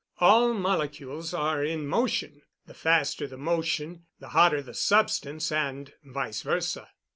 All molecules are in motion the faster the motion, the hotter the substance, and vice versa."